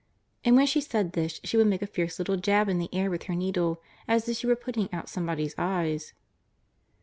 and when she said this she would make a fierce little jab in the air with her needle, as if she were putting out somebody's eyes.